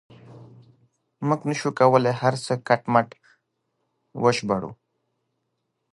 موږ نه شو کولای هر څه کټ مټ وژباړو.